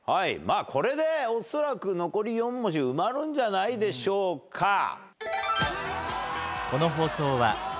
これでおそらく残り４文字埋まるんじゃないでしょうか。